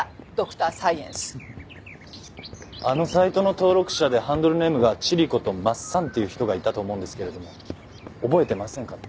あのサイトの登録者でハンドルネームがチリコとまっさんっていう人がいたと思うんですけれども覚えてませんか？